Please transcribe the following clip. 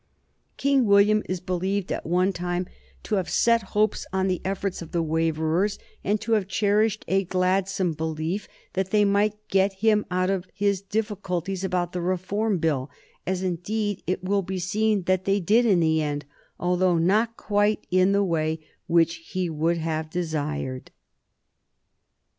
King William is believed, at one time, to have set hopes on the efforts of the Waverers, and to have cherished a gladsome belief that they might get him out of his difficulties about the Reform Bill; as indeed it will be seen they did in the end, though not quite in the way which he would have desired.